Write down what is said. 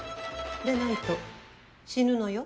でないと死ぬのよ。